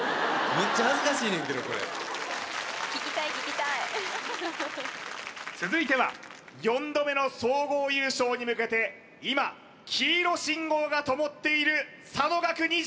けどこれ続いては４度目の総合優勝に向けて今黄色信号がともっている佐野岳